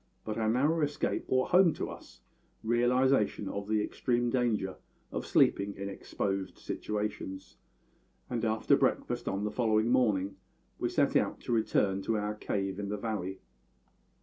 But our narrow escape brought home to us realisation of the extreme danger of sleeping in exposed situations; and after breakfast on the following morning we set out to return to our cave in the valley.